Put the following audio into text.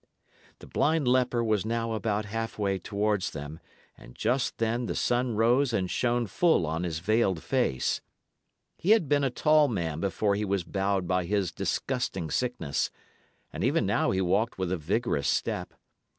The blind leper was now about halfway towards them, and just then the sun rose and shone full on his veiled face. He had been a tall man before he was bowed by his disgusting sickness, and even now he walked with a vigorous step.